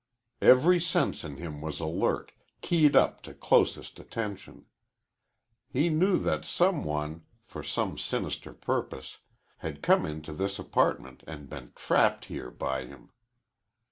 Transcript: Every sense in him was alert, keyed up to closest attention. He knew that some one, for some sinister purpose, had come into this apartment and been trapped here by him.